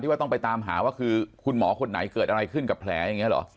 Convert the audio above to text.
ว่าต้องไปตามหาว่าคือคุณหมอคนไหนเกิดอะไรขึ้นกับแผลอย่างนี้เหรอ